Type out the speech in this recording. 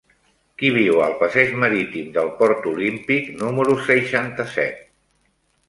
Qui viu al passeig Marítim del Port Olímpic número seixanta-set?